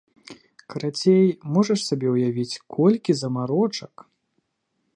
Карацей, можаш сабе ўявіць, колькі замарочак!